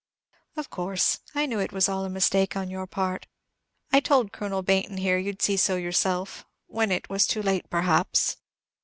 "Of course, I knew it was all a mistake on your part. I told Colonel Baynton, here, you'd see so yourself, when it is too late, perhaps."